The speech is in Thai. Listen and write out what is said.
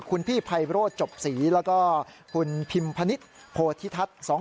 คุณพี่ไพโรธจบศรีแล้วก็คุณพิมพนิษฐ์โพธิทัศน์